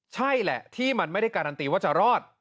ใช่แหละที่มันไม่ได้การันตีว่าจะรอด